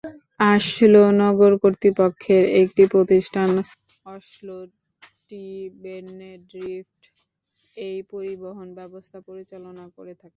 Oslo নগর কর্তৃপক্ষের একটি প্রতিষ্ঠান "অসলো টি-বেন্নেড্রিফট" এই পরিবহন ব্যবস্থা পরিচালনা করে থাকে।